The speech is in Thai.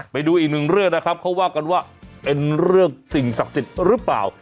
ไปดูอีกหนึ่งเรื่องนะครับเขาว่ากันว่าเป็นเรื่องสิ่งศักดิ์สิทธิ์หรือเปล่า